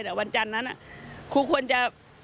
แต่วันจันทร์นั้นครูควรจะ